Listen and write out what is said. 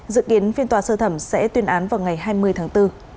dự kiến phiên tòa sơ thẩm sẽ tuyên án vào ngày hai mươi tháng bốn